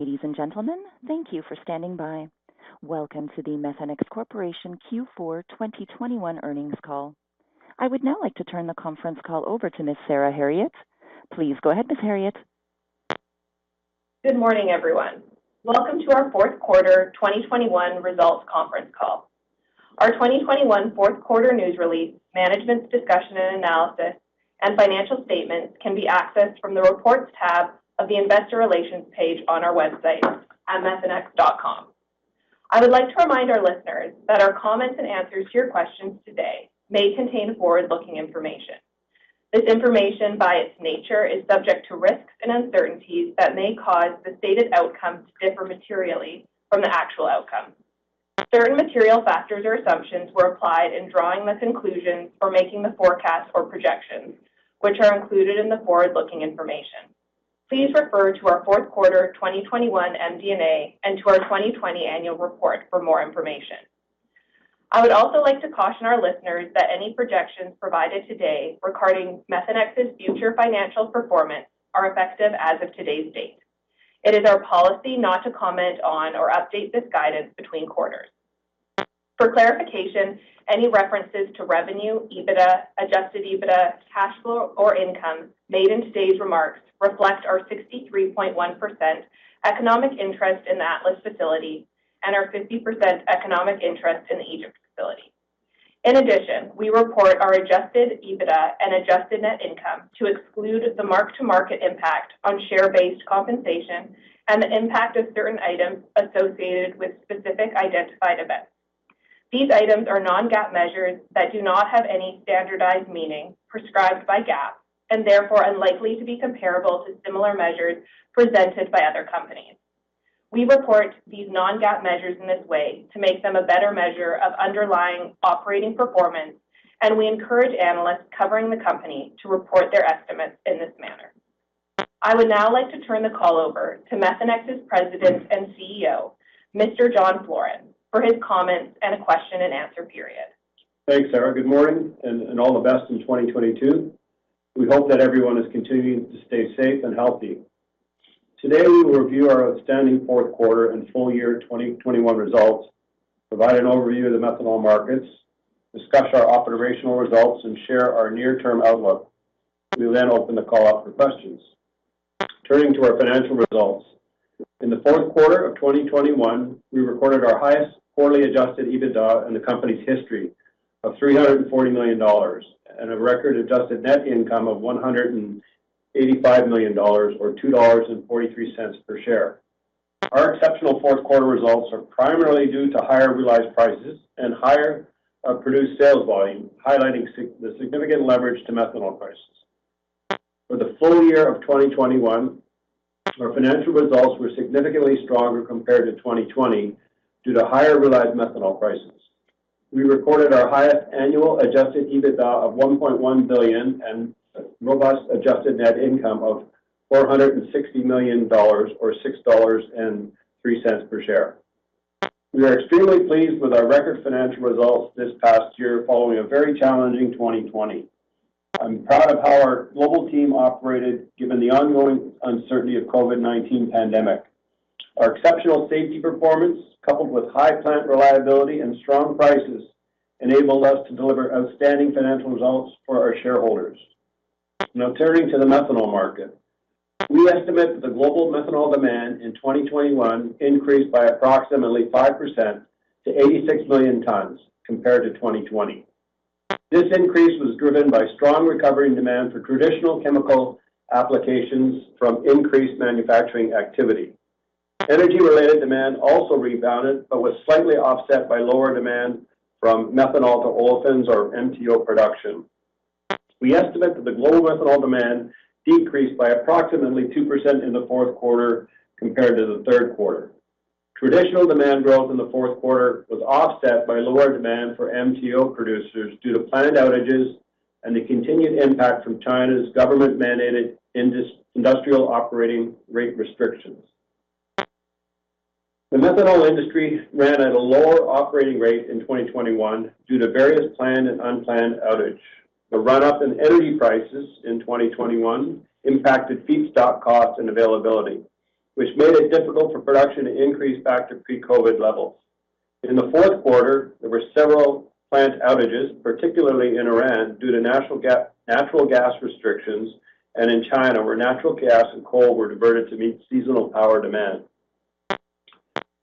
Ladies and gentlemen, thank you for standing by. Welcome to the Methanex Corporation Q4 2021 earnings call. I would now like to turn the conference call over to Ms. Sarah Herriott. Please go ahead, Ms. Herriott. Good morning, everyone. Welcome to our Q4 2021 results conference call. Our 2021 Q4 news release, management's discussion and analysis, and financial statements can be accessed from the Reports tab of the Investor Relations page on our website at methanex.com. I would like to remind our listeners that our comments and answers to your questions today may contain forward-looking information. This information by its nature is subject to risks and uncertainties that may cause the stated outcomes to differ materially from the actual outcome. Certain material factors or assumptions were applied in drawing this conclusion or making the forecast or projections, which are included in the forward-looking information. Please refer to our Q4 2021 MD&A and to our 2020 annual report for more information. I would also like to caution our listeners that any projections provided today regarding Methanex's future financial performance are effective as of today's date. It is our policy not to comment on or update this guidance between quarters. For clarification, any references to revenue, EBITDA, adjusted EBITDA, cash flow, or income made in today's remarks reflect our 63.1% economic interest in the Atlas facility and our 50% economic interest in the Egypt facility. In addition, we report our adjusted EBITDA and adjusted net income to exclude the mark-to-market impact on share-based compensation and the impact of certain items associated with specific identified events. These items are non-GAAP measures that do not have any standardized meaning prescribed by GAAP and therefore unlikely to be comparable to similar measures presented by other companies. We report these non-GAAP measures in this way to make them a better measure of underlying operating performance, and we encourage analysts covering the company to report their estimates in this manner. I would now like to turn the call over to Methanex's President and CEO, Mr. John Floren, for his comments and a question and answer period. Thanks, Sarah. Good morning, and all the best in 2022. We hope that everyone is continuing to stay safe and healthy. Today, we will review our outstanding Q4 and full year 2021 results, provide an overview of the methanol markets, discuss our operational results, and share our near-term outlook. We will then open the call up for questions. Turning to our financial results. In the Q4 of 2021, we recorded our highest quarterly adjusted EBITDA in the company's history of $340 million and a record adjusted net income of $185 million or $2.43 per share. Our exceptional Q4 results are primarily due to higher realized prices and higher produced sales volume, highlighting the significant leverage to methanol prices. For the full year of 2021, our financial results were significantly stronger compared to 2020 due to higher realized methanol prices. We recorded our highest annual adjusted EBITDA of $1.1 billion and robust adjusted net income of $460 million or $6.03 per share. We are extremely pleased with our record financial results this past year following a very challenging 2020. I'm proud of how our global team operated given the ongoing uncertainty of COVID-19 pandemic. Our exceptional safety performance, coupled with high plant reliability and strong prices, enabled us to deliver outstanding financial results for our shareholders. Now turning to the methanol market. We estimate that the global methanol demand in 2021 increased by approximately 5% to 86 million tons compared to 2020. This increase was driven by strong recovery in demand for traditional chemical applications from increased manufacturing activity. Energy-related demand also rebounded but was slightly offset by lower demand from methanol to olefins or MTO production. We estimate that the global methanol demand decreased by approximately 2% in the Q4 compared to the Q3. Traditional demand growth in the Q4 was offset by lower demand for MTO producers due to plant outages and the continued impact from China's government-mandated industrial operating rate restrictions. The methanol industry ran at a lower operating rate in 2021 due to various planned and unplanned outages. The run-up in energy prices in 2021 impacted feedstock costs and availability, which made it difficult for production to increase back to pre-COVID levels. In the Q4, there were several plant outages, particularly in Iran, due to natural gas restrictions, and in China, where natural gas and coal were diverted to meet seasonal power demand.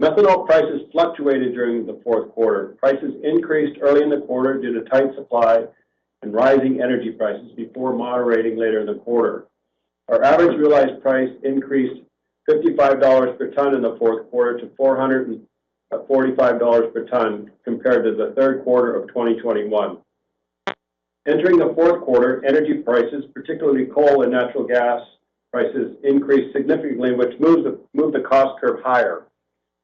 Methanol prices fluctuated during the Q4. Prices increased early in the quarter due to tight supply and rising energy prices before moderating later in the quarter. Our average realized price increased $55 per ton in the Q4 to $445 per ton compared to the Q3 of 2021. Entering the Q4, energy prices, particularly coal and natural gas prices, increased significantly, which moved the cost curve higher.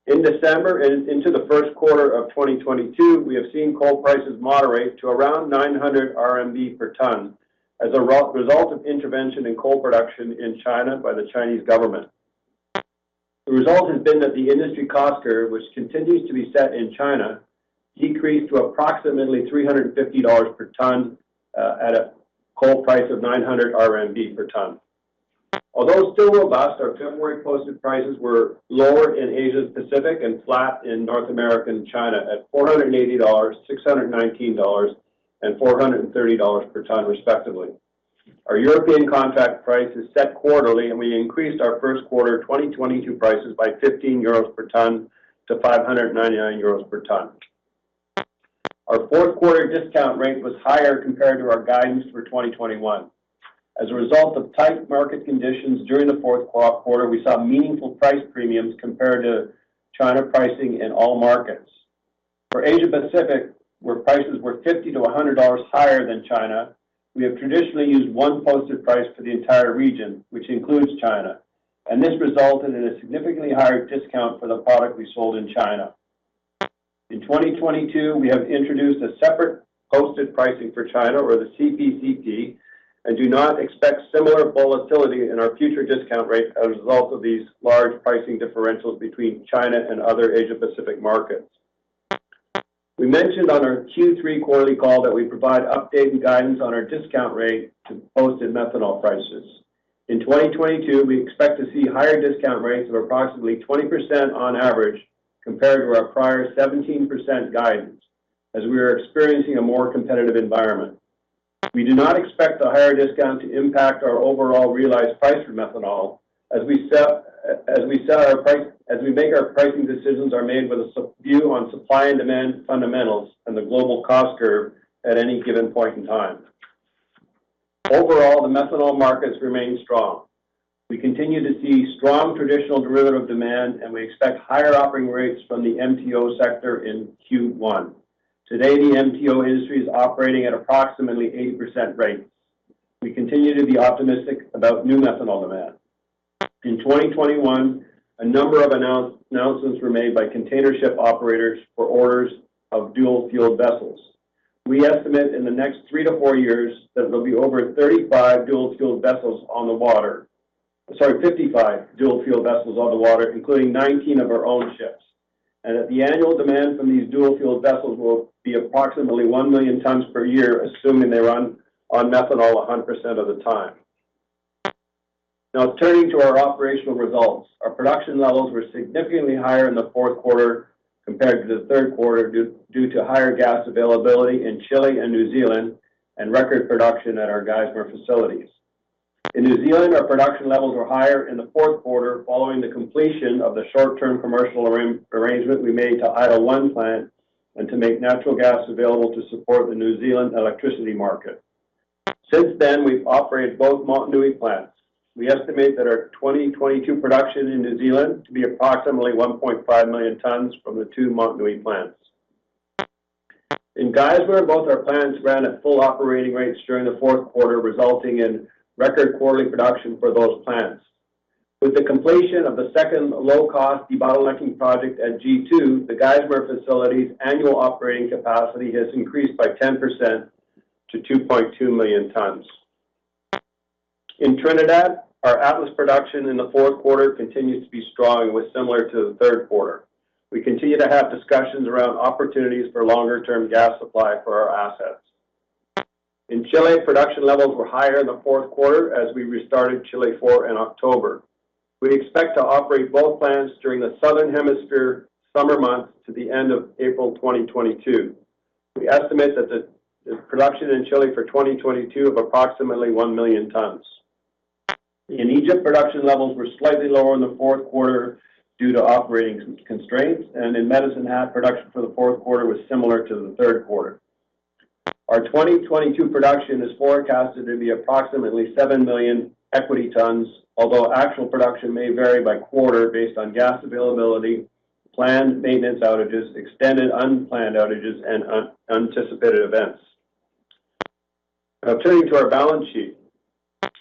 In December and into the Q1 of 2022, we have seen coal prices moderate to around 900 RMB per ton as a result of intervention in coal production in China by the Chinese government. The result has been that the industry cost curve, which continues to be set in China, decreased to approximately $350 per ton at a coal price of 900 RMB per ton. Although still robust, our February posted prices were lower in Asia Pacific and flat in North America and China at $480, $619, and $430 per ton respectively. Our European contract price is set quarterly, and we increased our Q1 2022 prices by 15 euros per ton to 599 euros per ton. Our Q4 discount rate was higher compared to our guidance for 2021. As a result of tight market conditions during the Q4, we saw meaningful price premiums compared to China pricing in all markets. For Asia Pacific, where prices were $50-$100 higher than China, we have traditionally used one posted price for the entire region, which includes China. This resulted in a significantly higher discount for the product we sold in China. In 2022, we have introduced a separate posted pricing for China or the CPCP, and do not expect similar volatility in our future discount rate as a result of these large pricing differentials between China and other Asia Pacific markets. We mentioned on our Q3 quarterly call that we provide updated guidance on our discount rate to posted methanol prices. In 2022, we expect to see higher discount rates of approximately 20% on average compared to our prior 17% guidance as we are experiencing a more competitive environment. We do not expect the higher discount to impact our overall realized price for methanol as we make our pricing decisions with a view on supply and demand fundamentals and the global cost curve at any given point in time. Overall, the methanol markets remain strong. We continue to see strong traditional derivative demand, and we expect higher operating rates from the MTO sector in Q1. Today, the MTO industry is operating at approximately 80% rates. We continue to be optimistic about new methanol demand. In 2021, a number of announcements were made by container ship operators for orders of dual-fueled vessels. We estimate in the next three to four years that there'll be over 35 dual-fueled vessels on the water. Sorry, 55 dual-fueled vessels on the water, including 19 of our own ships. That the annual demand from these dual-fueled vessels will be approximately 1 million tons per year, assuming they run on methanol 100% of the time. Now turning to our operational results. Our production levels were significantly higher in the Q4 compared to the Q3 due to higher gas availability in Chile and New Zealand and record production at our Geismar facilities. In New Zealand, our production levels were higher in the Q4 following the completion of the short-term commercial arrangement we made to idle one plant and to make natural gas available to support the New Zealand electricity market. Since then, we've operated both Motunui plants. We estimate that our 2022 production in New Zealand to be approximately 1.5 million tons from the two Motunui plants. In Geismar, both our plants ran at full operating rates during the Q4, resulting in record quarterly production for those plants. With the completion of the second low-cost debottlenecking project at G2, the Geismar facility's annual operating capacity has increased by 10% to 2.2 million tons. In Trinidad, our Atlas production in the Q4 continues to be strong and was similar to the Q3. We continue to have discussions around opportunities for longer-term gas supply for our assets. In Chile, production levels were higher in the Q4 as we restarted Chile four in October. We expect to operate both plants during the Southern Hemisphere summer months to the end of April 2022. We estimate that the production in Chile for 2022 of approximately 1 million tons. In Egypt, production levels were slightly lower in the Q4 due to operating constraints, and in Medicine Hat, production for the Q4 was similar to the Q3. Our 2022 production is forecasted to be approximately 7 million equity tons, although actual production may vary by quarter based on gas availability, planned maintenance outages, extended unplanned outages, and unanticipated events. Now turning to our balance sheet.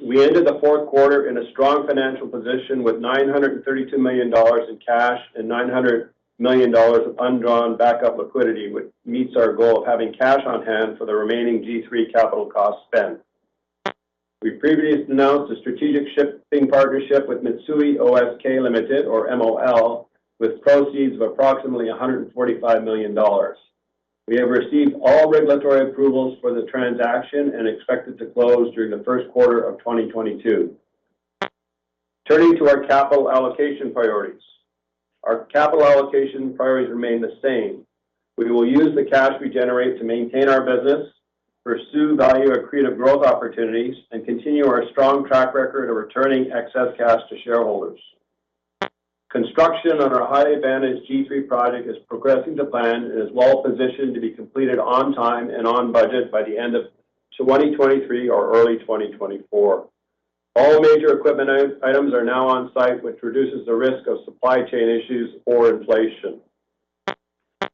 We ended the Q4 in a strong financial position with $932 million in cash and $900 million of undrawn backup liquidity, which meets our goal of having cash on hand for the remaining G3 capital cost spend. We previously announced a strategic shipping partnership with Mitsui O.S.K. Lines, Ltd. or MOL, with proceeds of approximately $145 million. We have received all regulatory approvals for the transaction and expect it to close during the Q of 2022. Turning to our capital allocation priorities. Our capital allocation priorities remain the same. We will use the cash we generate to maintain our business, pursue value accretive growth opportunities, and continue our strong track record of returning excess cash to shareholders. Construction on our highly advantaged G3 project is progressing to plan and is well-positioned to be completed on time and on budget by the end of 2023 or early 2024. All major equipment items are now on site, which reduces the risk of supply chain issues or inflation.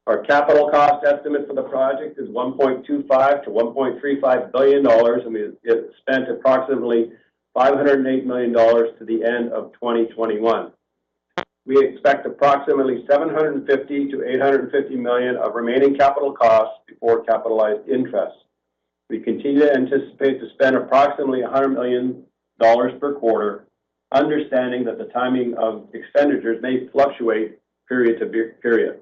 Our capital cost estimate for the project is $1.25 billion-$1.35 billion, and we have spent approximately $508 million to the end of 2021. We expect approximately $750 million-$850 million of remaining capital costs before capitalized interest. We continue to anticipate to spend approximately $100 million per quarter, understanding that the timing of expenditures may fluctuate period-to-period.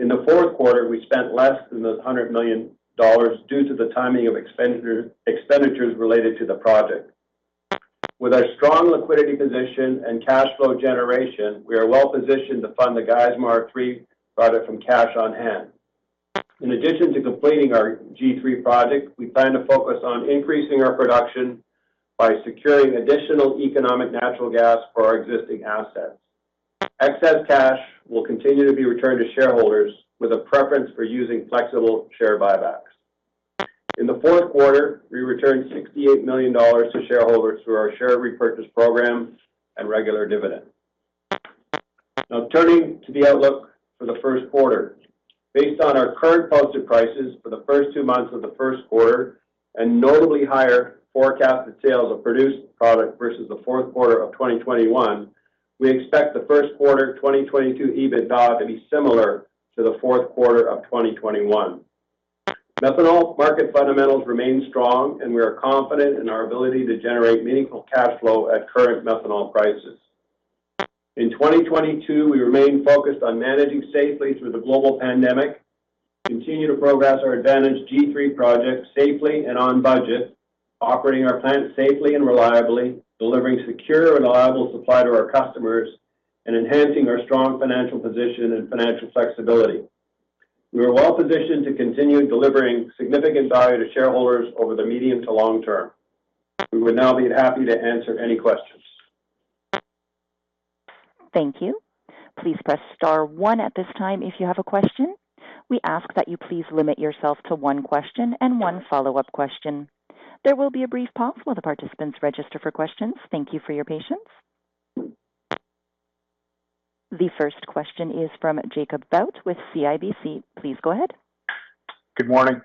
In the Q4, we spent less than those $100 million due to the timing of expenditures related to the project. With our strong liquidity position and cash flow generation, we are well positioned to fund the Geismar 3 project from cash on hand. In addition to completing our G3 project, we plan to focus on increasing our production by securing additional economic natural gas for our existing assets. Excess cash will continue to be returned to shareholders with a preference for using flexible share buybacks. In the Q4, we returned $68 million to shareholders through our share repurchase program and regular dividend. Now turning to the outlook for the Q1. Based on our current posted prices for the first two months of the Q1 and notably higher forecasted sales of produced product versus the Q4 of 2021, we expect the Q1 2022 EBITDA to be similar to the Q4 of 2021. Methanol market fundamentals remain strong, and we are confident in our ability to generate meaningful cash flow at current methanol prices. In 2022, we remain focused on managing safely through the global pandemic, continue to progress our Advantage G3 project safely and on budget, operating our plant safely and reliably, delivering secure and reliable supply to our customers, and enhancing our strong financial position and financial flexibility. We are well positioned to continue delivering significant value to shareholders over the medium to long term. We would now be happy to answer any questions. Thank you. Please press star one at this time if you have a question. We ask that you please limit yourself to one question and one follow-up question. There will be a brief pause while the participants register for questions. Thank you for your patience. The first question is from Jacob Bout with CIBC. Please go ahead. Good morning.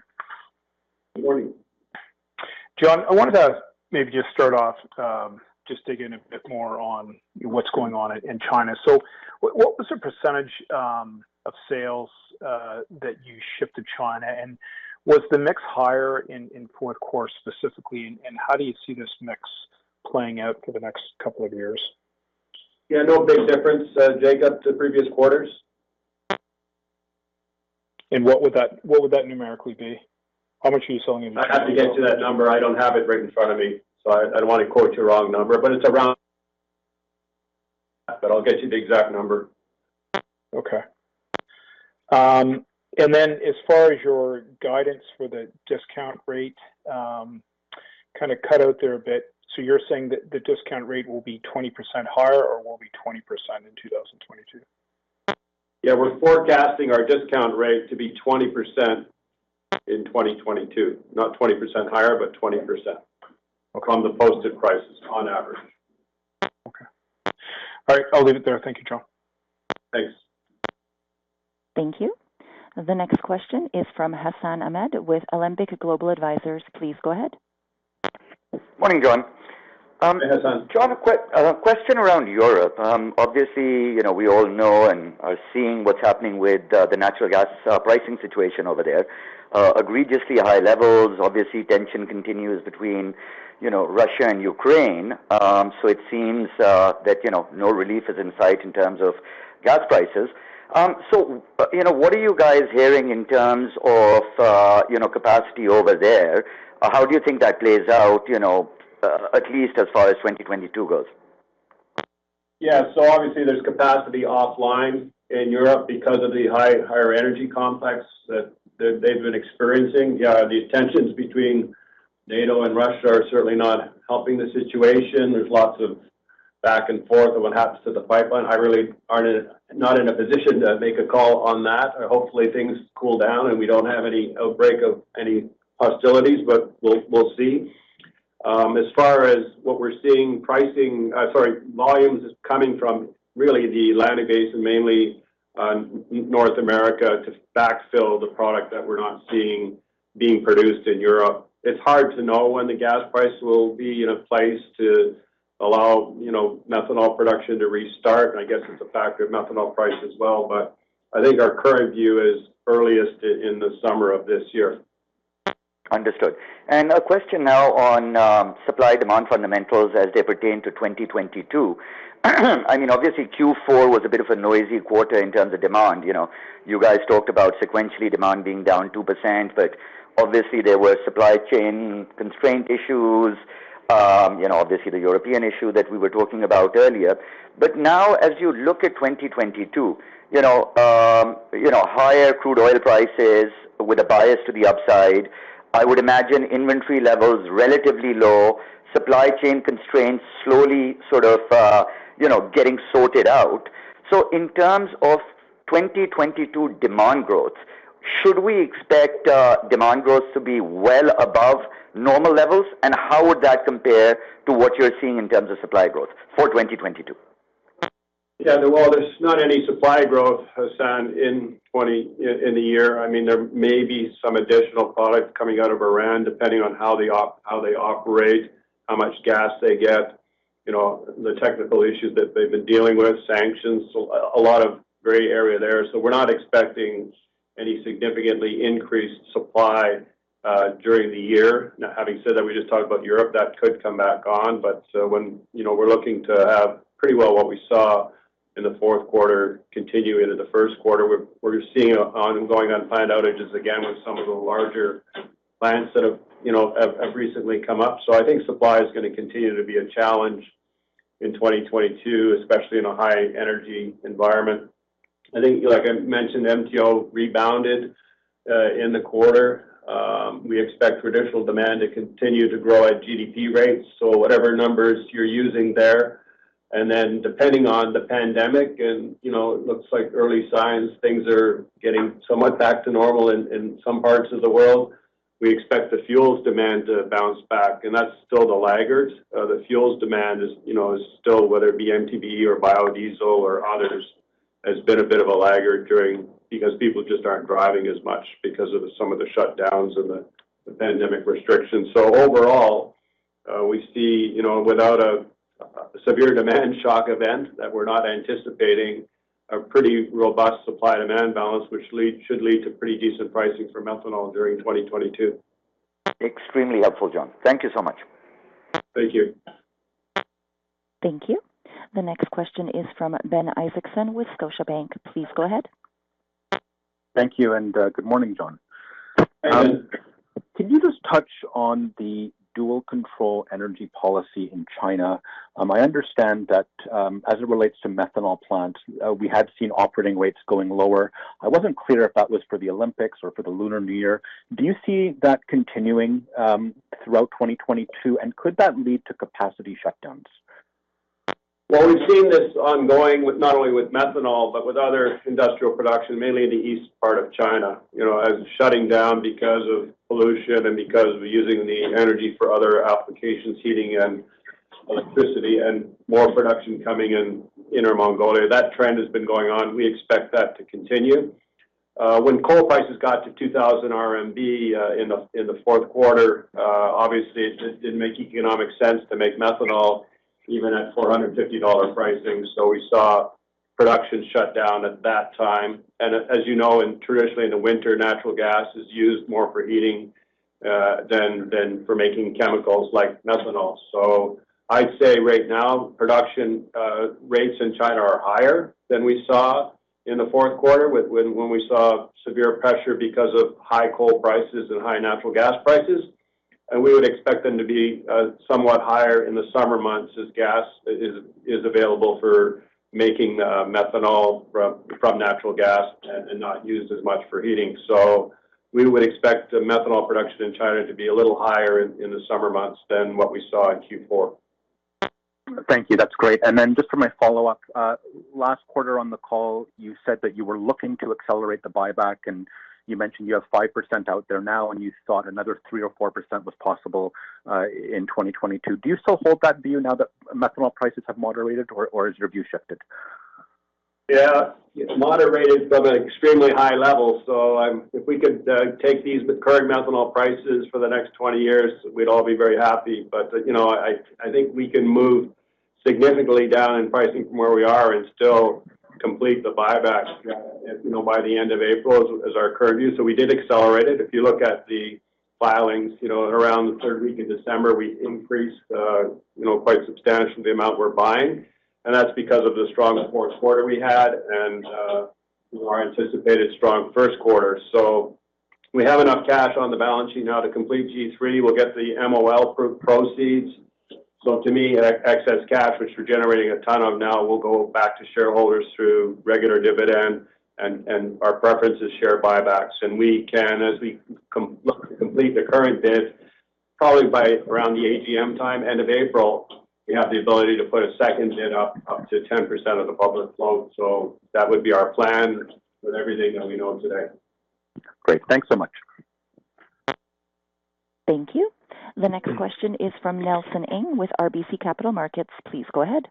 Good morning. John, I wanted to maybe just start off, just digging a bit more on what's going on in China. What was the percentage of sales that you shipped to China? And was the mix higher, of course, specifically, and how do you see this mix playing out for the next couple of years? Yeah. No big difference, Jacob, to previous quarters. What would that numerically be? How much are you selling in China? I'd have to get to that number. I don't have it right in front of me, so I don't wanna quote you a wrong number. I'll get you the exact number. Okay. As far as your guidance for the discount rate, kind of cut out there a bit. You're saying that the discount rate will be 20% higher or will be 20% in 2022? Yeah. We're forecasting our discount rate to be 20% in 2022. Not 20% higher, but 20%. Okay. on the posted prices on average. Okay. All right, I'll leave it there. Thank you, John. Thanks. Thank you. The next question is from Hassan Ahmed with Alembic Global Advisors. Please go ahead. Morning, John. Hey, Hassan. John, a question around Europe. Obviously, you know, we all know and are seeing what's happening with the natural gas pricing situation over there. Egregiously high levels, obviously tension continues between, you know, Russia and Ukraine. It seems that, you know, no relief is in sight in terms of gas prices. You know, what are you guys hearing in terms of, you know, capacity over there? How do you think that plays out, you know, at least as far as 2022 goes? Obviously there's capacity offline in Europe because of the higher energy complex that they've been experiencing. The tensions between NATO and Russia are certainly not helping the situation. There's lots of back and forth on what happens to the pipeline. I really am not in a position to make a call on that. Hopefully things cool down, and we don't have any outbreak of any hostilities, but we'll see. As far as what we're seeing, volumes is coming from really the Atlantic Basin, mainly, North America, to backfill the product that we're not seeing being produced in Europe. It's hard to know when the gas price will be in a place to allow, you know, methanol production to restart, and I guess it's a factor of methanol price as well. I think our current view is earliest in the summer of this year. Understood. A question now on supply-demand fundamentals as they pertain to 2022. I mean, obviously Q4 was a bit of a noisy quarter in terms of demand. You know, you guys talked about sequentially demand being down 2%, but obviously there were supply chain constraint issues. You know, obviously the European issue that we were talking about earlier. Now as you look at 2022, you know, you know, higher crude oil prices with a bias to the upside, I would imagine inventory levels relatively low, supply chain constraints slowly sort of you know getting sorted out. In terms of 2022 demand growth, should we expect demand growth to be well above normal levels? And how would that compare to what you're seeing in terms of supply growth for 2022? Well, there's not any supply growth, Hassan, in the year. I mean, there may be some additional product coming out of Iran, depending on how they operate, how much gas they get. You know, the technical issues that they've been dealing with, sanctions, so a lot of gray area there. We're not expecting any significantly increased supply during the year. Now, having said that, we just talked about Europe that could come back on. You know, we're looking to have pretty well what we saw in the Q4 continuing into the Q1. We're seeing ongoing unplanned outages, again, with some of the larger plants that have, you know, recently come up. I think supply is gonna continue to be a challenge in 2022, especially in a high energy environment. I think, like I mentioned, MTO rebounded in the quarter. We expect traditional demand to continue to grow at GDP rates, so whatever numbers you're using there. Depending on the pandemic and, you know, it looks like early signs, things are getting somewhat back to normal in some parts of the world, we expect the fuels demand to bounce back, and that's still the laggards. The fuels demand is, you know, still, whether it be MTBE or biodiesel or others, has been a bit of a laggard because people just aren't driving as much because of some of the shutdowns and the pandemic restrictions. Overall, we see, you know, without a severe demand shock event that we're not anticipating, a pretty robust supply-demand balance, which should lead to pretty decent pricing for methanol during 2022. Extremely helpful, John. Thank you so much. Thank you. Thank you. The next question is from Ben Isaacson with Scotiabank. Please go ahead. Thank you, and good morning, John. Hey. Can you just touch on the dual control energy policy in China? I understand that, as it relates to methanol plants, we had seen operating rates going lower. I wasn't clear if that was for the Olympics or for the Lunar New Year. Do you see that continuing throughout 2022, and could that lead to capacity shutdowns? Well, we've seen this ongoing not only with methanol, but with other industrial production, mainly in the east part of China, you know, as shutting down because of pollution and because we're using the energy for other applications, heating and electricity, and more production coming in Inner Mongolia. That trend has been going on. We expect that to continue. When coal prices got to 2,000 RMB in the Q4, obviously it just didn't make economic sense to make methanol even at $450 pricing. So we saw production shut down at that time. As you know, traditionally in the winter, natural gas is used more for heating than for making chemicals like methanol. I'd say right now, production rates in China are higher than we saw in the Q4 when we saw severe pressure because of high coal prices and high natural gas prices. We would expect them to be somewhat higher in the summer months as gas is available for making methanol from natural gas and not used as much for heating. We would expect methanol production in China to be a little higher in the summer months than what we saw in Q4. Thank you. That's great. Then just for my follow-up. Last quarter on the call, you said that you were looking to accelerate the buyback, and you mentioned you have 5% out there now, and you thought another 3% or 4% was possible, in 2022. Do you still hold that view now that methanol prices have moderated, or has your view shifted? Yeah. It's moderated from an extremely high level. If we could take these with current methanol prices for the next 20 years, we'd all be very happy. You know, I think we can move significantly down in pricing from where we are and still complete the buyback, you know, by the end of April is our current view. We did accelerate it. If you look at the filings, you know, around the third week of December, we increased, you know, quite substantially the amount we're buying. That's because of the strong Q4 we had and our anticipated strong Q1. We have enough cash on the balance sheet now to complete G3. We'll get the MOL proceeds. To me, excess cash, which we're generating a ton of now, will go back to shareholders through regular dividend and our preference is share buybacks. We can, as we look to complete the current bid, probably by around the AGM time, end of April, have the ability to put a second bid up to 10% of the public float. That would be our plan with everything that we know today. Great. Thanks so much. Thank you. The next question is from Nelson Ng with RBC Capital Markets. Please go ahead.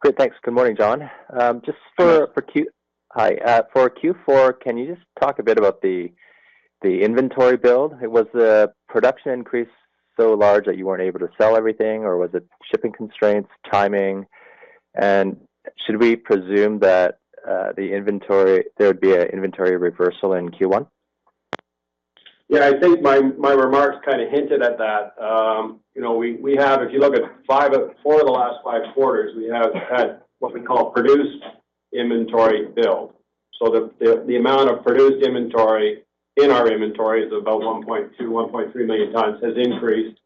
Great. Thanks. Good morning, John. Just for Q- Hi. Hi. For Q4, can you just talk a bit about the inventory build? Was the production increase so large that you weren't able to sell everything, or was it shipping constraints, timing? Should we presume that the inventory there'd be an inventory reversal in Q1? I think my remarks kinda hinted at that. If you look at four of the last five quarters, we have had what we call produced inventory build. The amount of produced inventory in our inventory is about 1.2-1.3 million tons has increased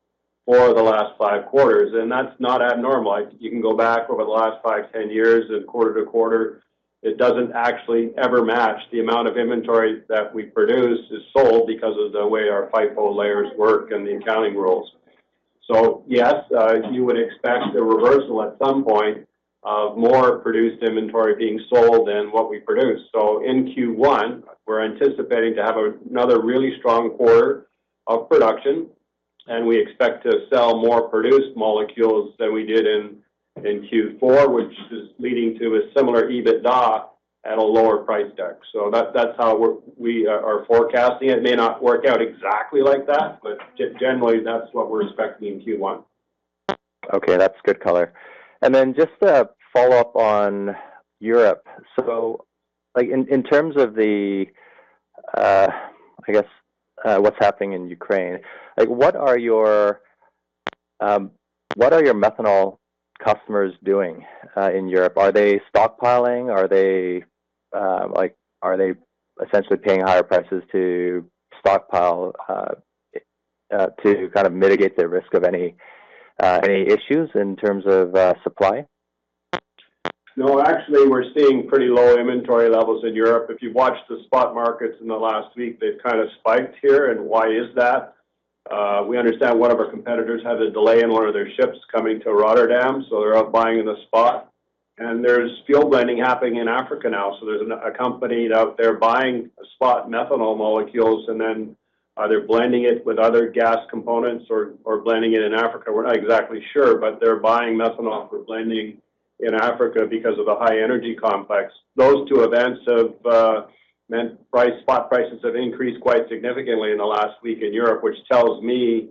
for the last five quarters, and that's not abnormal. You can go back over the last five, 10 years of quarter to quarter. It doesn't actually ever match the amount of inventory that we produce is sold because of the way our FIFO layers work and the accounting rules. Yes, you would expect a reversal at some point of more produced inventory being sold than what we produce. In Q1, we're anticipating to have another really strong quarter of production, and we expect to sell more produced molecules than we did in Q4, which is leading to a similar EBITDA at a lower price deck. That, that's how we're forecasting. It may not work out exactly like that, but generally that's what we're expecting in Q1. Okay. That's good color. Then just a follow-up on Europe. In terms of the, I guess, what's happening in Ukraine, what are your methanol customers doing in Europe? Are they stockpiling? Are they essentially paying higher prices to stockpile to kind of mitigate their risk of any issues in terms of supply? No, actually we're seeing pretty low inventory levels in Europe. If you've watched the spot markets in the last week, they've kind of spiked here. Why is that? We understand one of our competitors had a delay in one of their ships coming to Rotterdam, so they're out buying in the spot. There's fuel blending happening in Africa now. There's a company out there buying spot methanol molecules, and then either blending it with other gas components or blending it in Africa. We're not exactly sure, but they're buying methanol for blending in Africa because of the high energy complex. Those two events have meant spot prices have increased quite significantly in the last week in Europe, which tells me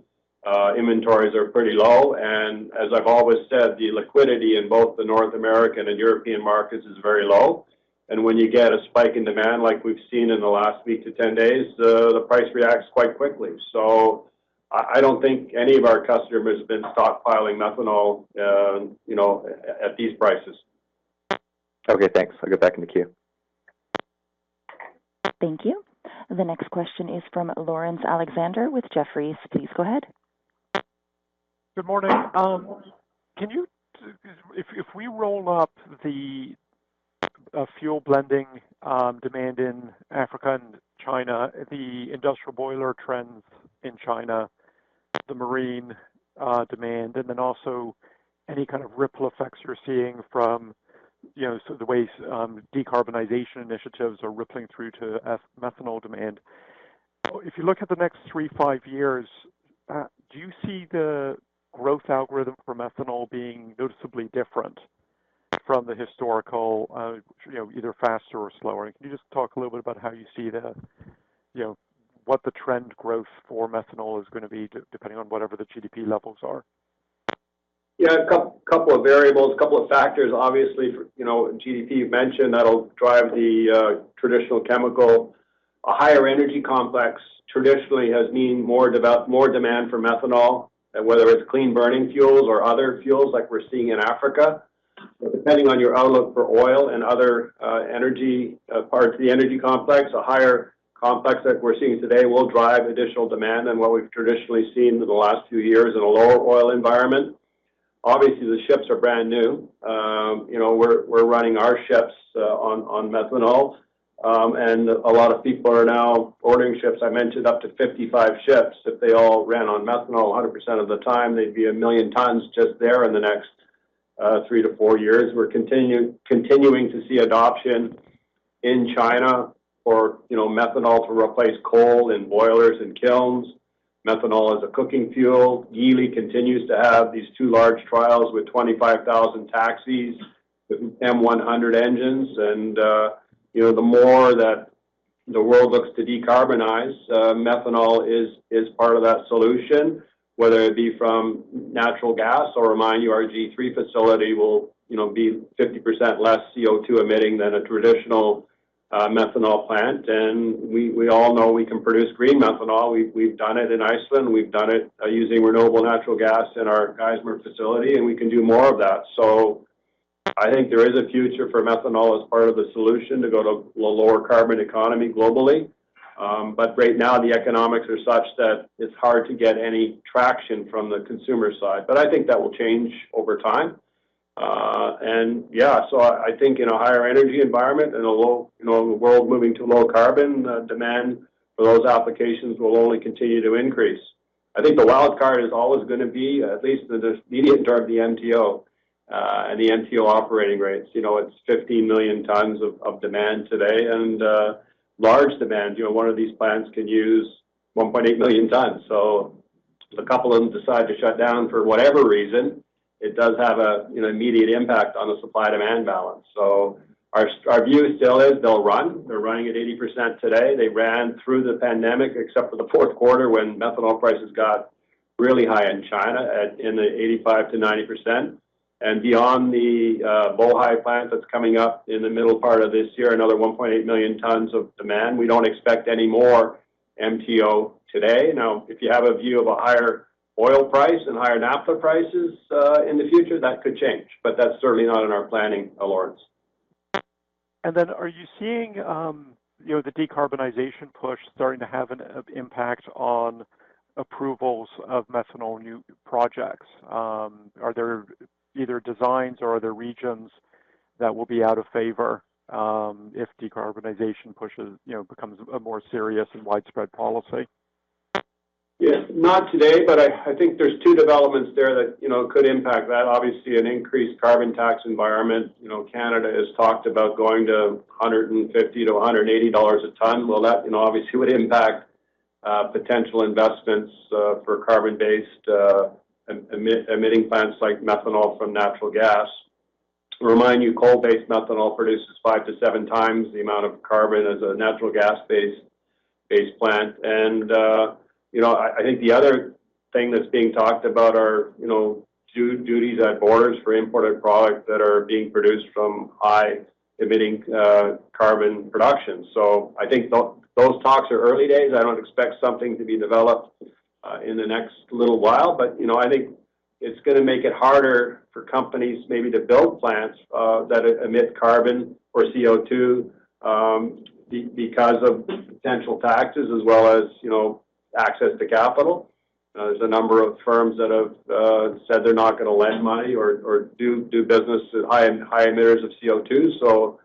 inventories are pretty low. As I've always said, the liquidity in both the North American and European markets is very low. When you get a spike in demand like we've seen in the last week to 10 days, the price reacts quite quickly. I don't think any of our customers have been stockpiling methanol, you know, at these prices. Okay, thanks. I'll get back in the queue. Thank you. The next question is from Laurence Alexander with Jefferies. Please go ahead. Good morning. If we roll up the fuel blending demand in Africa and China, the industrial boiler trends in China, the marine demand, and then also any kind of ripple effects you're seeing from, you know, so the way decarbonization initiatives are rippling through to methanol demand. If you look at the next three to five years, do you see the growth algorithm for methanol being noticeably different from the historical, you know, either faster or slower? Can you just talk a little bit about how you see the, you know, what the trend growth for methanol is gonna be depending on whatever the GDP levels are? Yeah. A couple of variables, a couple of factors. Obviously, you know, GDP you've mentioned that'll drive the traditional chemical. A higher energy complex traditionally has meant more demand for methanol, and whether it's clean burning fuels or other fuels like we're seeing in Africa. Depending on your outlook for oil and other energy parts of the energy complex, a higher complex that we're seeing today will drive additional demand than what we've traditionally seen in the last two years in a lower oil environment. Obviously, the ships are brand new. You know, we're running our ships on methanol. A lot of people are now ordering ships, I mentioned up to 55 ships. If they all ran on methanol 100% of the time, they'd be 1 million tons just there in the next three-four years. We're continuing to see adoption in China for, you know, methanol to replace coal in boilers and kilns. Methanol as a cooking fuel. Geely continues to have these two large trials with 25,000 taxis with M100 engines. You know, the more that the world looks to decarbonize, methanol is part of that solution, whether it be from natural gas or remind you our G3 facility will, you know, be 50% less CO2 emitting than a traditional methanol plant. We all know we can produce green methanol. We've done it in Iceland. We've done it using renewable natural gas in our Geismar facility, and we can do more of that. I think there is a future for methanol as part of the solution to go to a lower carbon economy globally. Right now the economics are such that it's hard to get any traction from the consumer side. I think that will change over time. I think in a higher energy environment and a low, the world moving to low carbon, demand for those applications will only continue to increase. I think the wild card is always gonna be at least the immediate term, the MTO, and the MTO operating rates. It's 15 million tons of demand today and large demand. One of these plants can use 1.8 million tons. If a couple of them decide to shut down for whatever reason, it does have a, you know, immediate impact on the supply-demand balance. Our view still is they'll run. They're running at 80% today. They ran through the pandemic except for the Q4 when methanol prices got really high in China at 85%-90%. Beyond the Bohai plant that's coming up in the middle part of this year, another 1.8 million tons of demand, we don't expect any more MTO today. Now, if you have a view of a higher oil price and higher naphtha prices in the future, that could change, but that's certainly not in our planning, Laurence. Are you seeing, you know, the decarbonization push starting to have an impact on approvals of methanol new projects? Are there either designs or regions that will be out of favor, if decarbonization pushes, you know, becomes a more serious and widespread policy? Yes. Not today, but I think there's two developments there that, you know, could impact that. Obviously, an increased carbon tax environment. You know, Canada has talked about going to $150-$180 a ton. Well, that, you know, obviously would impact potential investments for carbon-based emitting plants like methanol from natural gas. Remind you, coal-based methanol produces five-seven times the amount of carbon as a natural gas base plant. You know, I think the other thing that's being talked about are, you know, duties at borders for imported products that are being produced from high emitting carbon production. I think those talks are early days. I don't expect something to be developed in the next little while. You know, I think it's gonna make it harder for companies maybe to build plants that emit carbon or CO2 because of potential taxes as well as, you know, access to capital. There's a number of firms that have said they're not gonna lend money or do business with high emitters of CO2.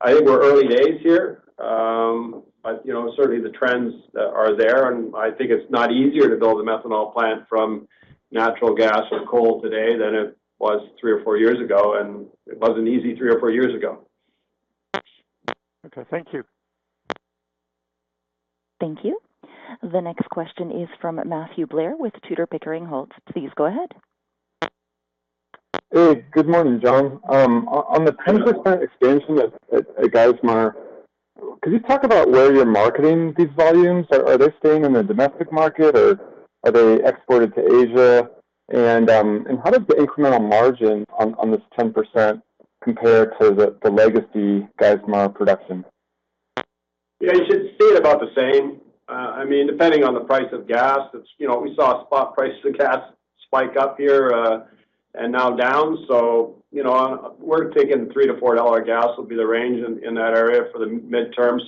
I think we're early days here. You know, certainly the trends are there, and I think it's not easier to build a methanol plant from natural gas or coal today than it was three or four years ago, and it wasn't easy three or four years ago. Okay. Thank you. Thank you. The next question is from Matthew Blair with Tudor, Pickering, Holt & Co. Please go ahead. Hey, good morning, John. On the- Yeah. The 10% expansion at Geismar, could you talk about where you're marketing these volumes? Are they staying in the domestic market, or are they exported to Asia? How does the incremental margin on this 10% compare to the legacy Geismar production? Yeah. It should stay about the same. I mean, depending on the price of gas, it's, you know, we saw spot prices of gas spike up here, and now down. You know, we're taking $3-$4 gas will be the range in that area for the midterm.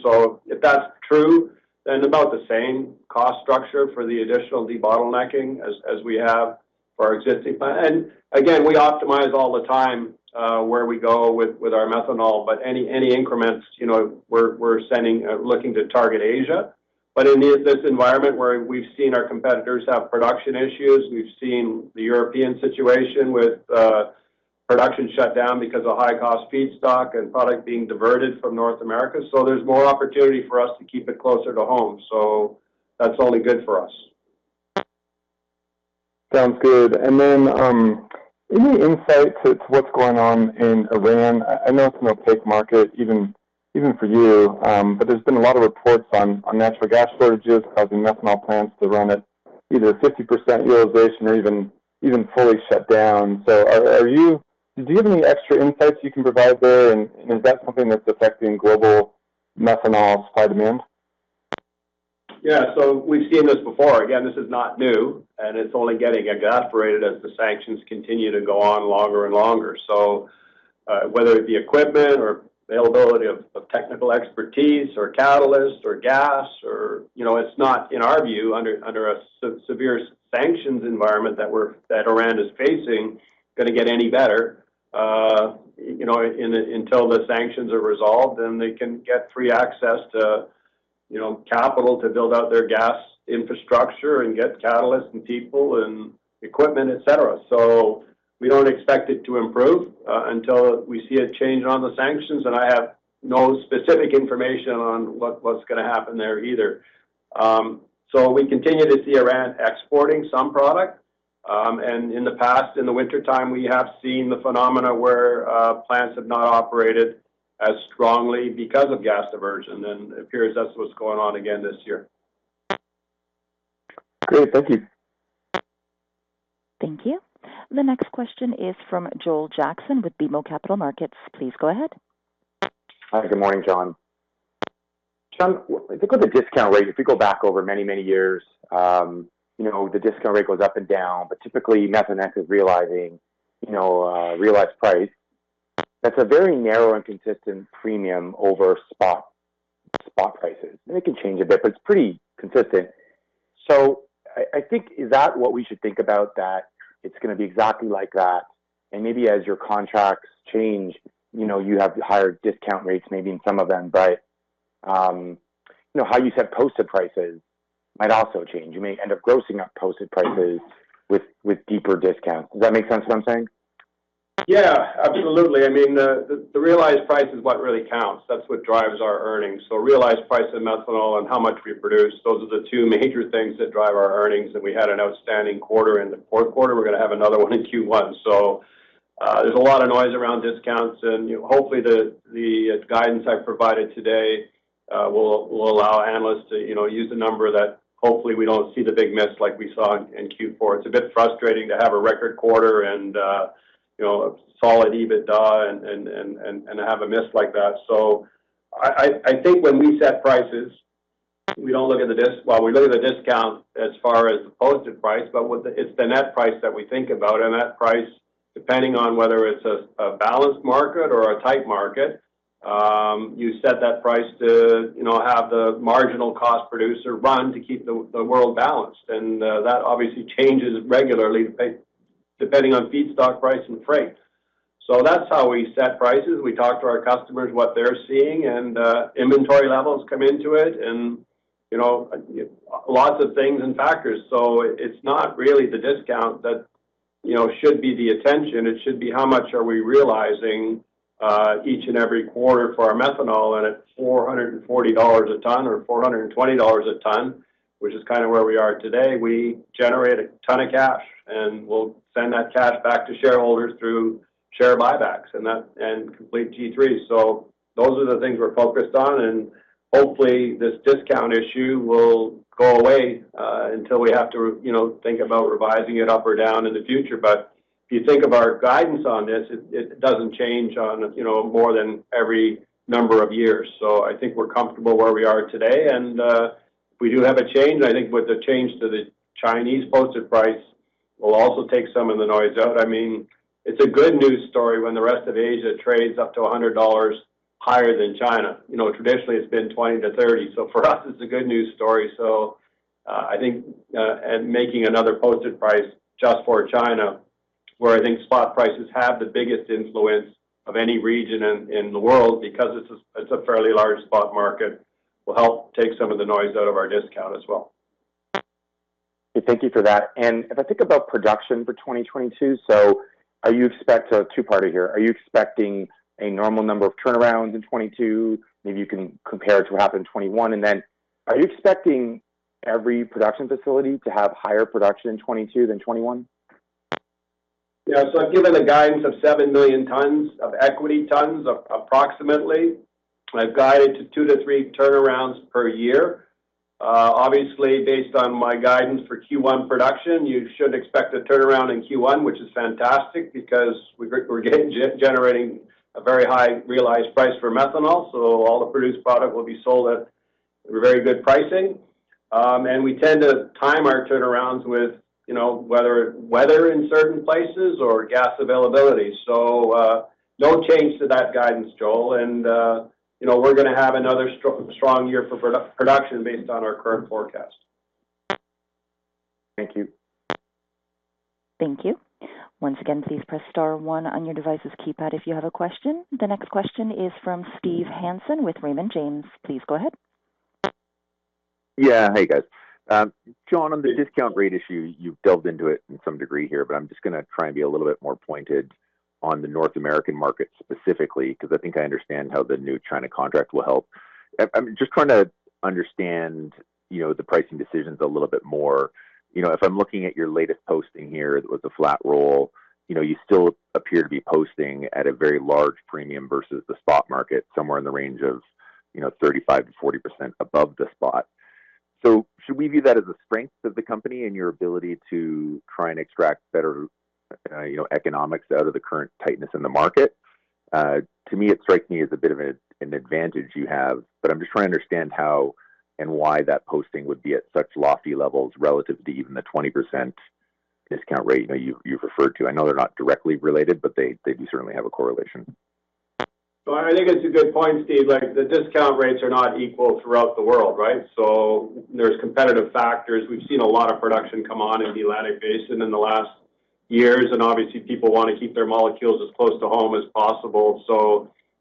If that's true, then about the same cost structure for the additional debottlenecking as we have for our existing plant. Again, we optimize all the time, where we go with our methanol, but any increments, you know, we're sending, looking to target Asia. In this environment where we've seen our competitors have production issues, we've seen the European situation with production shut down because of high-cost feedstock and product being diverted from North America. There's more opportunity for us to keep it closer to home. That's only good for us. Sounds good. Any insight to what's going on in Iran? I know it's an opaque market, even for you. But there's been a lot of reports on natural gas shortages causing methanol plants to run at either 50% utilization or even fully shut down. Do you have any extra insights you can provide there? Is that something that's affecting global methanol supply demand? We've seen this before. Again, this is not new, and it's only getting exacerbated as the sanctions continue to go on longer and longer. Whether it be equipment or availability of technical expertise or catalysts or gas. You know, it's not, in our view, under a severe sanctions environment that Iran is facing, gonna get any better, you know, until the sanctions are resolved, and they can get free access to, you know, capital to build out their gas infrastructure and get catalysts and people and equipment, et cetera. We don't expect it to improve until we see a change on the sanctions. I have no specific information on what's gonna happen there either. We continue to see Iran exporting some product. In the past, in the wintertime, we have seen the phenomena where plants have not operated as strongly because of gas diversion. It appears that's what's going on again this year. Great. Thank you. Thank you. The next question is from Joel Jackson with BMO Capital Markets. Please go ahead. Hi. Good morning, John. John, if we go to discount rate, if we go back over many years, you know, the discount rate goes up and down, but typically, Methanex is realizing, you know, a realized price that's a very narrow and consistent premium over spot prices. It can change a bit, but it's pretty consistent. I think, is that what we should think about that it's gonna be exactly like that, and maybe as your contracts change, you know, you have higher discount rates maybe in some of them. You know, how you set posted prices might also change. You may end up grossing up posted prices with deeper discounts. Does that make sense what I'm saying? Yeah, absolutely. I mean, the realized price is what really counts. That's what drives our earnings. Realized price of methanol and how much we produce, those are the two major things that drive our earnings. We had an outstanding quarter in the Q4. We're gonna have another one in Q1. There's a lot of noise around discounts. You know, hopefully, the guidance I've provided today will allow analysts to, you know, use a number that hopefully we don't see the big miss like we saw in Q4. It's a bit frustrating to have a record quarter and a solid EBITDA and have a miss like that. I think when we set prices, we don't look at—well, we look at the discount as far as the posted price, but it's the net price that we think about. That price, depending on whether it's a balanced market or a tight market, you set that price to, you know, have the marginal cost producer run to keep the world balanced. That obviously changes regularly depending on feedstock price and freight. That's how we set prices. We talk to our customers, what they're seeing, and inventory levels come into it and, you know, lots of things and factors. It's not really the discount that you know should be the attention. It should be how much are we realizing each and every quarter for our methanol, and at $440 a ton or $420 a ton, which is kind of where we are today, we generate a ton of cash, and we'll send that cash back to shareholders through share buybacks and complete G3. Those are the things we're focused on, and hopefully this discount issue will go away until we have to, you know, think about revising it up or down in the future. If you think of our guidance on this, it doesn't change on, you know, more than every number of years. I think we're comfortable where we are today, and if we do have a change, I think with the change to the Chinese posted price will also take some of the noise out. I mean, it's a good news story when the rest of Asia trades up to $100 higher than China. You know, traditionally it's been 20-30. For us, it's a good news story. I think and making another posted price just for China, where I think spot prices have the biggest influence of any region in the world because it's a fairly large spot market, will help take some of the noise out of our discount as well. Thank you for that. If I think about production for 2022, two-part here. Are you expecting a normal number of turnarounds in 2022? Maybe you can compare it to what happened in 2021. Are you expecting every production facility to have higher production in 2022 than 2021? Yeah. I've given a guidance of 7 million tons of equity tons approximately. I've guided to two-three turnarounds per year. Obviously, based on my guidance for Q1 production, you should expect a turnaround in Q1, which is fantastic because we're generating a very high realized price for methanol. All the produced product will be sold at a very good pricing. We tend to time our turnarounds with, you know, weather in certain places or gas availability. No change to that guidance, Joel. You know, we're gonna have another strong year for production based on our current forecast. Thank you. Thank you. Once again, please press star one on your device's keypad if you have a question. The next question is from Steve Hansen with Raymond James. Please go ahead. Yeah. Hey, guys. John, on the discount rate issue, you've delved into it in some degree here, but I'm just gonna try and be a little bit more pointed on the North American market specifically because I think I understand how the new China contract will help. I'm just trying to understand, you know, the pricing decisions a little bit more. You know, if I'm looking at your latest posting here with the flat roll, you know, you still appear to be posting at a very large premium versus the spot market, somewhere in the range of, you know, 35%-40% above the spot. Should we view that as a strength of the company and your ability to try and extract better, you know, economics out of the current tightness in the market? To me, it strikes me as a bit of an advantage you have. I'm just trying to understand how and why that posting would be at such lofty levels relative to even the 20% discount rate, you know, you've referred to. I know they're not directly related, but they do certainly have a correlation. I think it's a good point, Steve. Like, the discount rates are not equal throughout the world, right? There's competitive factors. We've seen a lot of production come on in the Atlantic Basin in the last years, and obviously people wanna keep their molecules as close to home as possible.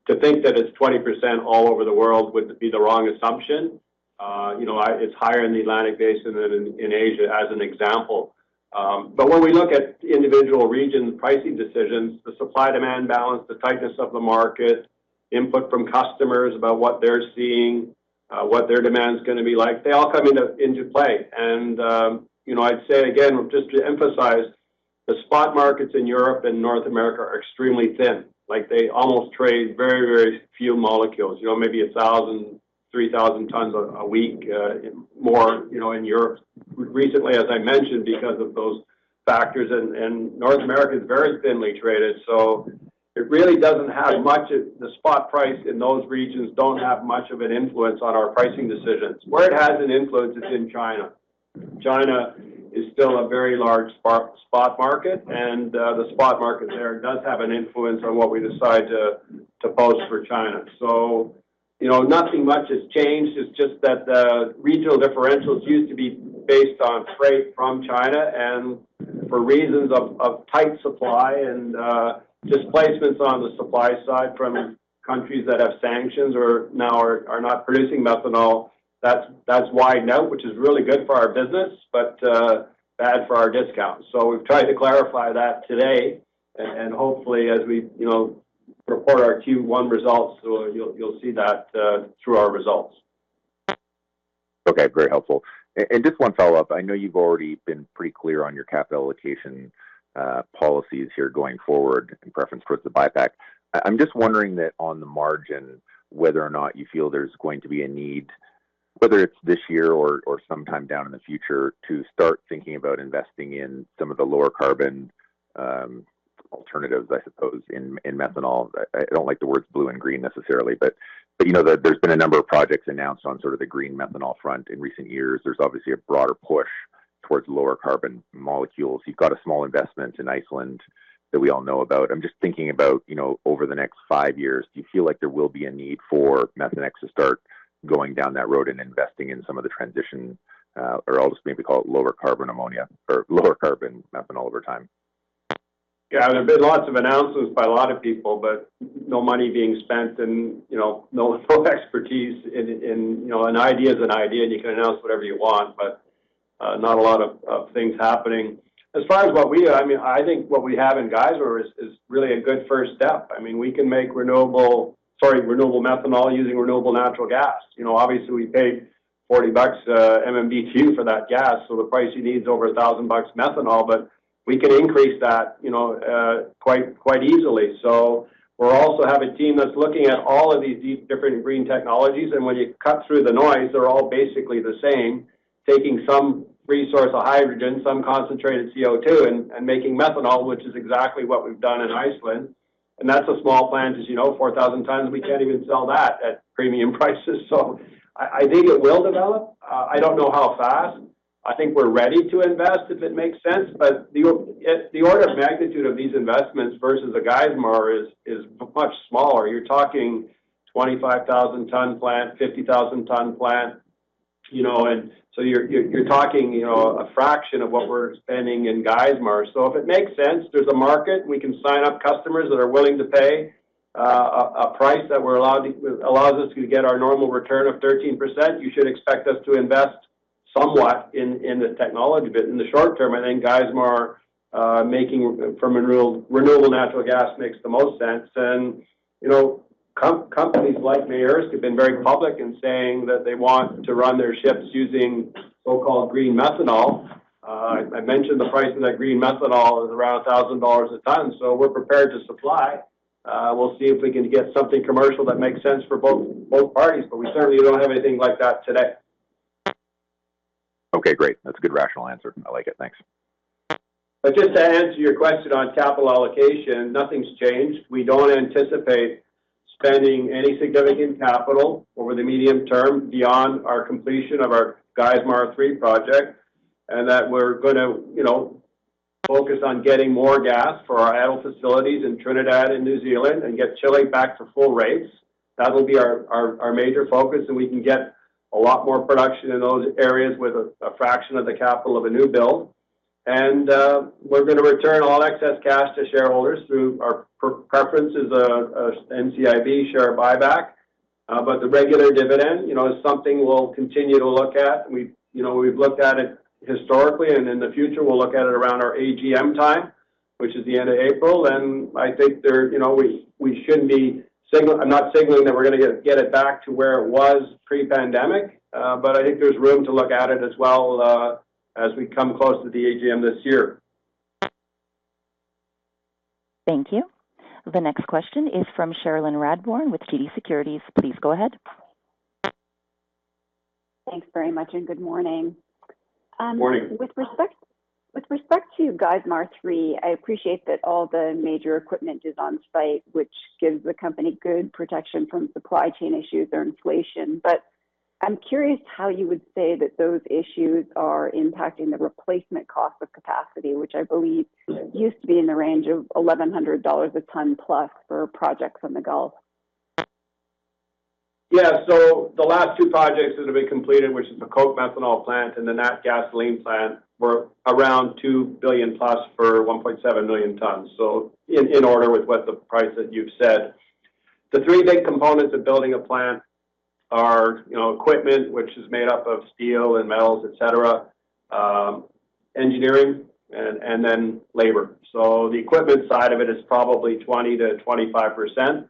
To think that it's 20% all over the world would be the wrong assumption. It's higher in the Atlantic Basin than in Asia as an example. When we look at individual region pricing decisions, the supply-demand balance, the tightness of the market, input from customers about what they're seeing, what their demand is gonna be like, they all come into play. I'd say again, just to emphasize, the spot markets in Europe and North America are extremely thin. Like, they almost trade very, very few molecules, you know, maybe 1,000, 3,000 tons a week, more, you know, in Europe recently, as I mentioned, because of those factors. North America is very thinly traded, so the spot price in those regions don't have much of an influence on our pricing decisions. Where it has an influence is in China. China is still a very large spot market, and the spot market there does have an influence on what we decide to post for China. You know, nothing much has changed. It's just that the regional differentials used to be based on freight from China. For reasons of tight supply and displacements on the supply side from countries that have sanctions or now are not producing methanol, that's widened out, which is really good for our business, but bad for our discount. We've tried to clarify that today, and hopefully as we you know report our Q1 results, you'll see that through our results. Okay. Very helpful. Just one follow-up. I know you've already been pretty clear on your capital allocation policies here going forward in preference towards the buyback. I'm just wondering that on the margin, whether or not you feel there's going to be a need, whether it's this year or sometime down in the future to start thinking about investing in some of the lower carbon alternatives, I suppose, in methanol. I don't like the words blue and green necessarily. You know, there's been a number of projects announced on sort of the green methanol front in recent years. There's obviously a broader push towards lower carbon molecules. You've got a small investment in Iceland that we all know about. I'm just thinking about, you know, over the next five years, do you feel like there will be a need for Methanex to start going down that road and investing in some of the transition, or I'll just maybe call it lower carbon ammonia or lower carbon methanol over time? Yeah, there have been lots of announcements by a lot of people, but no money being spent, you know, no expertise in. You know, an idea is an idea, and you can announce whatever you want, but not a lot of things happening. As far as what we, I mean, I think what we have in Geismar is really a good first step. I mean, we can make renewable methanol using renewable natural gas. You know, obviously, we paid $40/MMBtu for that gas, so the price you need is over $1,000 methanol. But we can increase that, you know, quite easily. So we'll also have a team that's looking at all of these different green technologies, and when you cut through the noise, they're all basically the same. Taking some resource of hydrogen, some concentrated CO2 and making methanol, which is exactly what we've done in Iceland. That's a small plant, as you know, 4,000 tons. We can't even sell that at premium prices. I think it will develop. I don't know how fast. I think we're ready to invest if it makes sense. The order of magnitude of these investments versus a Geismar is much smaller. You're talking 25,000-ton plant, 50,000-ton plant, you know. You're talking, you know, a fraction of what we're spending in Geismar. If it makes sense, there's a market, and we can sign up customers that are willing to pay a price that allows us to get our normal return of 13%, you should expect us to invest somewhat in the technology. In the short term, I think Geismar making from renewable natural gas makes the most sense. You know, companies like Maersk have been very public in saying that they want to run their ships using so-called green methanol. I mentioned the price of that green methanol is around $1,000 a ton, so we're prepared to supply. We'll see if we can get something commercial that makes sense for both parties, but we certainly don't have anything like that today. Okay, great. That's a good rational answer. I like it. Thanks. Just to answer your question on capital allocation, nothing's changed. We don't anticipate spending any significant capital over the medium term beyond our completion of our Geismar three project, and that we're gonna, you know, focus on getting more gas for our idle facilities in Trinidad and New Zealand and get Chile back to full rates. That'll be our major focus, and we can get a lot more production in those areas with a fraction of the capital of a new build. We're gonna return all excess cash to shareholders through our preference is, NCIB share buyback. The regular dividend, you know, is something we'll continue to look at. You know, we've looked at it historically, and in the future, we'll look at it around our AGM time, which is the end of April. I think there, you know, I'm not signaling that we're gonna get it back to where it was pre-pandemic. I think there's room to look at it as well, as we come close to the AGM this year. Thank you. The next question is from Cherylin Radbourne with TD Securities. Please go ahead. Thanks very much, and good morning. Morning. With respect to Geismar 3, I appreciate that all the major equipment is on site, which gives the company good protection from supply chain issues or inflation. I'm curious how you would say that those issues are impacting the replacement cost of capacity, which I believe used to be in the range of $1,100 a ton plus for projects in the Gulf. The last two projects that have been completed, which is the coke methanol plant and the Natgasoline plant, were around $2 billion+ for 1.7 million tons in order with what the price that you've said. The three big components of building a plant are, you know, equipment, which is made up of steel and metals, et cetera, engineering and then labor. The equipment side of it is probably 20%-25%.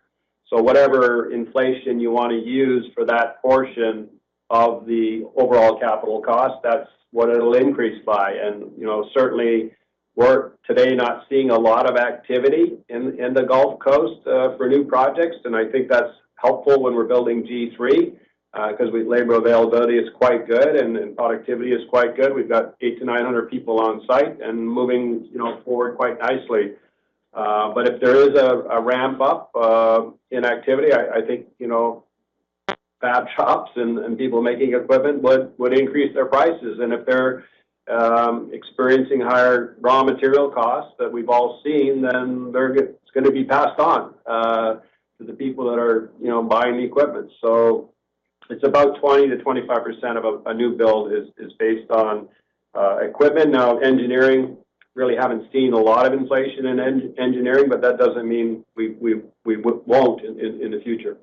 Whatever inflation you wanna use for that portion of the overall capital cost, that's what it'll increase by. Certainly we're today not seeing a lot of activity in the Gulf Coast for new projects, and I think that's helpful when we're building G3, 'cause labor availability is quite good and productivity is quite good. We've got 800-900 people on site and moving, you know, forward quite nicely. If there is a ramp up in activity, I think, you know, fab shops and people making equipment would increase their prices. If they're experiencing higher raw material costs that we've all seen, then it's gonna be passed on to the people that are, you know, buying the equipment. It's about 20%-25% of a new build is based on equipment. Now, engineering really haven't seen a lot of inflation in engineering, but that doesn't mean we won't in the future.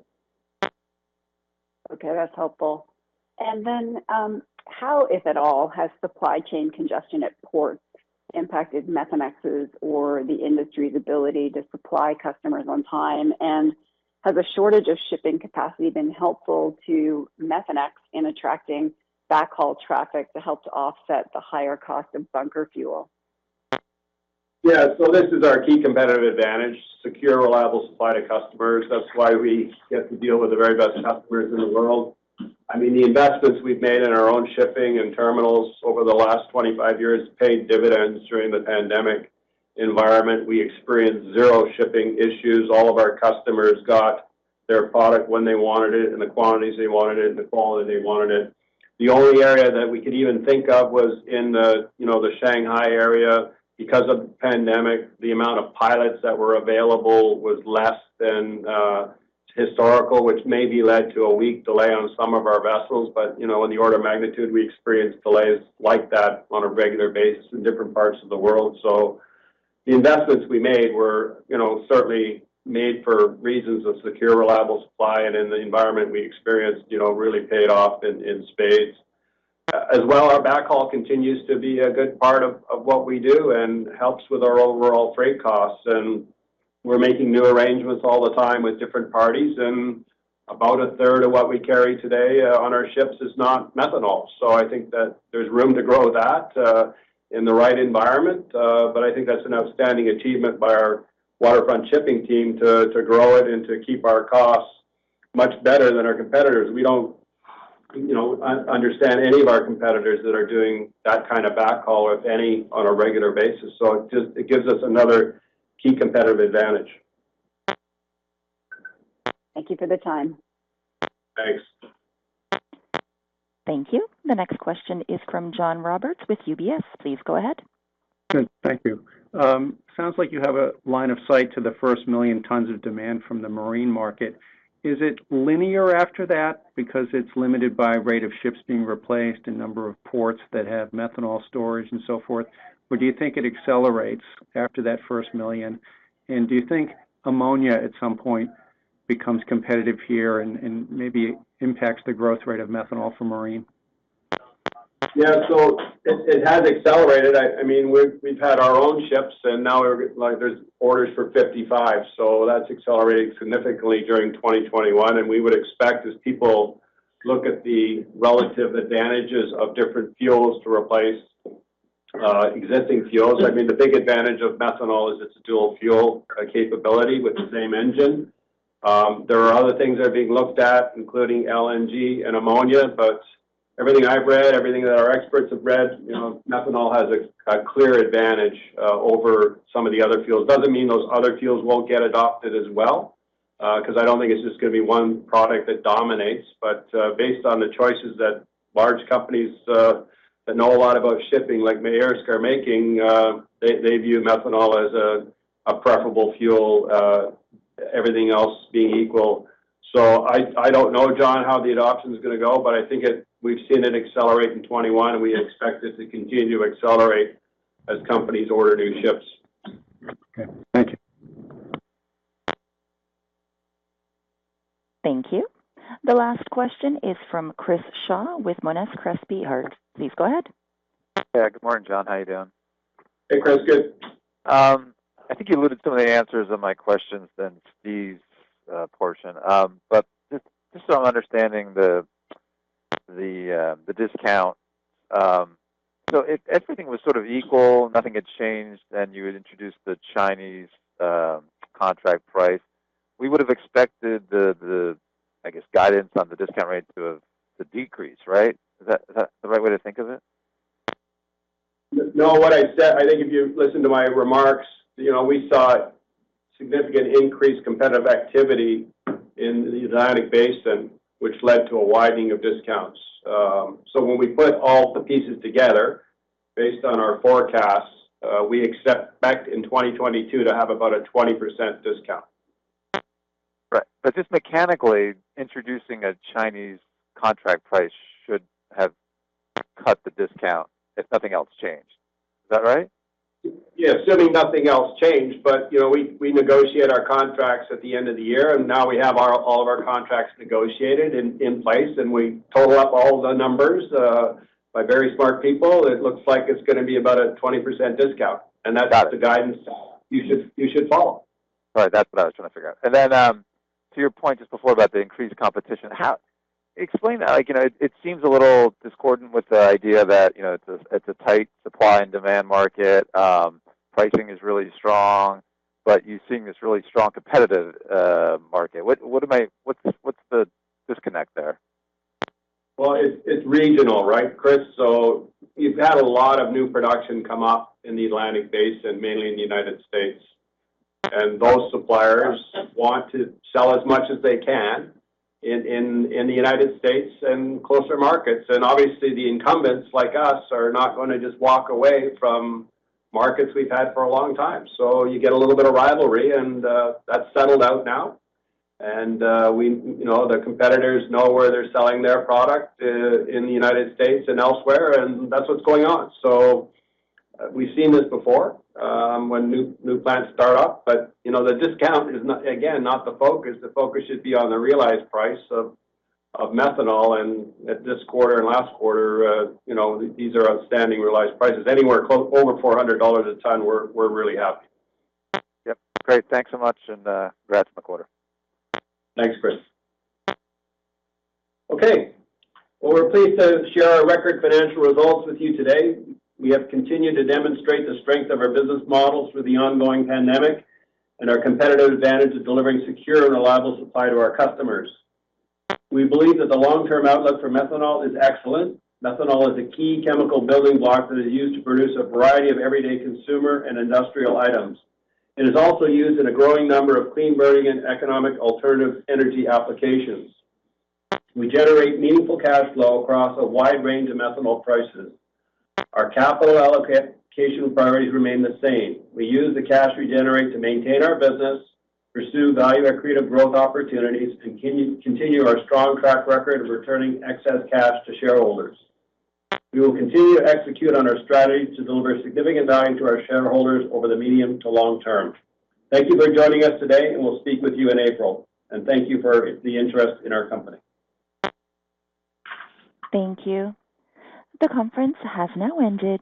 Okay, that's helpful. How, if at all, has supply chain congestion at ports impacted Methanex's or the industry's ability to supply customers on time? Has a shortage of shipping capacity been helpful to Methanex in attracting backhaul traffic to help to offset the higher cost of bunker fuel? Yeah. This is our key competitive advantage, secure reliable supply to customers. That's why we get to deal with the very best customers in the world. I mean, the investments we've made in our own shipping and terminals over the last 25 years paid dividends during the pandemic environment. We experienced 0 shipping issues. All of our customers got their product when they wanted it, in the quantities they wanted it, in the quality they wanted it. The only area that we could even think of was in the, you know, the Shanghai area. Because of the pandemic, the amount of pilots that were available was less than historical, which maybe led to a week delay on some of our vessels. You know, in the order of magnitude, we experience delays like that on a regular basis in different parts of the world. The investments we made were, you know, certainly made for reasons of secure, reliable supply. In the environment we experienced, you know, really paid off in spades. As well, our backhaul continues to be a good part of what we do and helps with our overall freight costs. We're making new arrangements all the time with different parties. About a third of what we carry today, on our ships is not methanol. I think that there's room to grow that, in the right environment. But I think that's an outstanding achievement by our Waterfront Shipping team to grow it and to keep our costs much better than our competitors. We don't, you know, understand any of our competitors that are doing that kind of backhaul, if any, on a regular basis. It gives us another key competitive advantage. Thank you for your time. Thanks. Thank you. The next question is from John Roberts with UBS. Please go ahead. Good. Thank you. Sounds like you have a line of sight to the first 1 million tons of demand from the marine market. Is it linear after that because it's limited by rate of ships being replaced and number of ports that have methanol storage and so forth, or do you think it accelerates after that first 1 million? Do you think ammonia, at some point, becomes competitive here and maybe impacts the growth rate of methanol for marine? Yeah. It has accelerated. I mean, we've had our own ships, and now we're like, there's orders for 55. That's accelerating significantly during 2021. We would expect, as people look at the relative advantages of different fuels to replace existing fuels. I mean, the big advantage of methanol is its dual fuel capability with the same engine. There are other things that are being looked at, including LNG and ammonia. Everything I've read, everything that our experts have read, you know, methanol has a clear advantage over some of the other fuels. It doesn't mean those other fuels won't get adopted as well, because I don't think it's just gonna be one product that dominates. Based on the choices that large companies that know a lot about shipping like Maersk are making, they view methanol as a preferable fuel, everything else being equal. I don't know, John, how the adoption's gonna go, but I think we've seen it accelerate in 2021, and we expect it to continue to accelerate as companies order new ships. Okay. Thank you. Thank you. The last question is from Chris Shaw with Monness, Crespi, Hardt. Please go ahead. Yeah. Good morning, John. How you doing? Hey, Chris. Good. I think you alluded to some of the answers to my questions in Steve's portion. Just so I'm understanding the discount, if everything was sort of equal, nothing had changed, and you had introduced the Chinese contract price, we would have expected the guidance on the discount rate to decrease, right? Is that the right way to think of it? No. What I said, I think if you listen to my remarks, you know, we saw significant increased competitive activity in the Atlantic Basin, which led to a widening of discounts. When we put all the pieces together based on our forecasts, we expect back in 2022 to have about a 20% discount. Right. Just mechanically, introducing a Chinese contract price should have cut the discount if nothing else changed. Is that right? Yes. Assuming nothing else changed. You know, we negotiate our contracts at the end of the year, and now we have all of our contracts negotiated in place, and we total up all the numbers by very smart people. It looks like it's gonna be about a 20% discount, and that's the guidance you should follow. All right. That's what I was trying to figure out. To your point just before about the increased competition, explain that. Like, you know, it seems a little discordant with the idea that, you know, it's a tight supply and demand market. Pricing is really strong, but you're seeing this really strong competitive market. What's the disconnect there? Well, it's regional, right, Chris? You've had a lot of new production come up in the Atlantic Basin, mainly in the United States. Those suppliers want to sell as much as they can in the United States and closer markets. Obviously, the incumbents like us are not gonna just walk away from markets we've had for a long time. You get a little bit of rivalry, and that's settled out now. You know, the competitors know where they're selling their product in the United States and elsewhere, and that's what's going on. We've seen this before, when new plants start up. You know, the discount is not, again, not the focus. The focus should be on the realized price of methanol. At this quarter and last quarter, you know, these are outstanding realized prices. Anywhere close over $400 a ton, we're really happy. Yep. Great. Thanks so much, and congrats on the quarter. Thanks, Chris. Okay. Well, we're pleased to share our record financial results with you today. We have continued to demonstrate the strength of our business models for the ongoing pandemic and our competitive advantage of delivering secure and reliable supply to our customers. We believe that the long-term outlook for methanol is excellent. Methanol is a key chemical building block that is used to produce a variety of everyday consumer and industrial items, and is also used in a growing number of clean burning and economic alternative energy applications. We generate meaningful cash flow across a wide range of methanol prices. Our capital allocation priorities remain the same. We use the cash we generate to maintain our business, pursue value-accretive growth opportunities, continue our strong track record of returning excess cash to shareholders. We will continue to execute on our strategy to deliver significant value to our shareholders over the medium to long term. Thank you for joining us today, and we'll speak with you in April. Thank you for the interest in our company. Thank you. The conference has now ended.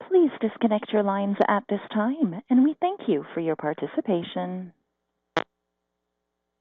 Please disconnect your lines at this time, and we thank you for your participation.